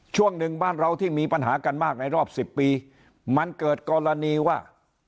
ช่วงหนึ่งบ้านเราที่มีปัญหากันมากในรอบ๑๐ปีมันเกิดกรณีว่า